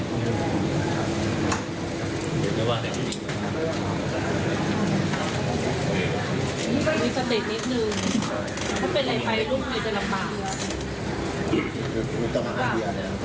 หรือว่ามีสติดนิดนึงถ้าเป็นไรไปลูกมันจะลำบาก